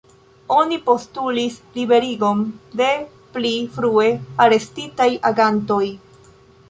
Oni postulis liberigon de pli frue arestitaj agantoj.